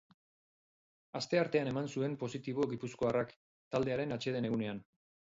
Asteartean eman zuen positibo gipuzkoarrak, taldearen atseden egunean.